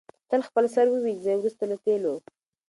تل خپل سر ووینځئ وروسته له تېلو.